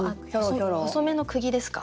細めのくぎですか？